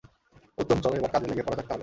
উত্তম, চলো এবার কাজে লেগে পড়া যাক তাহলে।